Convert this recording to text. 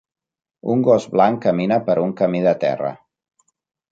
Un gos blanc camina per un camí de terra.